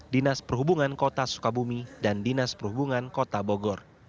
dinas perhubungan kota sukabumi dan dinas perhubungan kota bogor